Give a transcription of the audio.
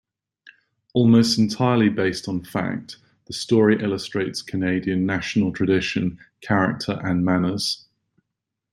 Almost entirely based on fact, the story illustrates Canadian national tradition, character and manners.